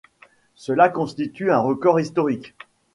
Cela constitue un record historique.